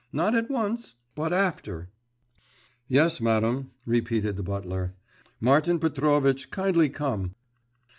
Not at once, but after.' 'Yes, madam,' repeated the butler. 'Martin Petrovitch, kindly come.